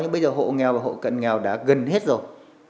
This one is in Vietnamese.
nhưng bây giờ hộ nghèo và hộ cận nghèo đã gần hết rồi